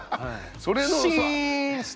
それのさ。